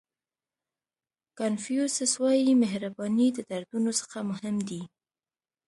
کانفیوسیس وایي مهرباني د دردونو څخه مهم دی.